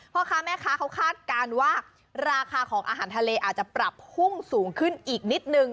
พ่อค้าแม่ค้าเขาคาดการณ์ว่าราคาของอาหารทะเลอาจจะปรับพุ่งสูงขึ้นอีกนิดนึง